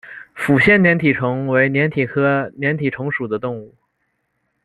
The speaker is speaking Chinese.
抚仙粘体虫为粘体科粘体虫属的动物。